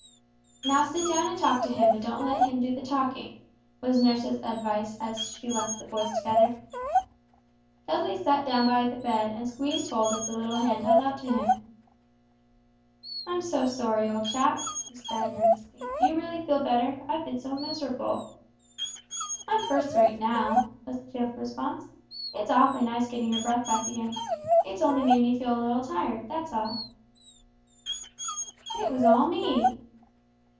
"Now sit down and talk to him, but don't let him do the talking," was nurse's advice as she left the boys together. Dudley sat down by the bed, and squeezed hold of the little hand held out to him. "I'm so sorry, old chap," he said, nervously; "do you feel really better? I've been so miserable." "I'm first rate now," was the cheerful response; "it's awfully nice getting your breath back again; it's only made me feel a little tired, that's all!" "It was all me!"